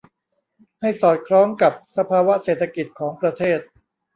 ให้สอดคล้องกับสภาวะเศรษฐกิจของประเทศ